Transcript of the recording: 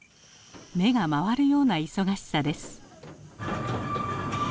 目が回るような忙しさです。